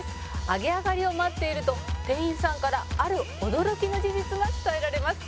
「揚げ上がりを待っていると店員さんからある驚きの事実が伝えられます」